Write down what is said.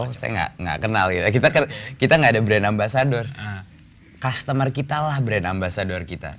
oh saya nggak kenal kita nggak ada brand ambasador customer kitalah brand ambasador kita